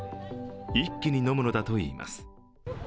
一気に飲むのだといいます。